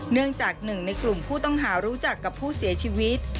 เนื่องจากหนึ่งในกลุ่มผู้ต้องหารู้จักกับผู้เสียชีวิต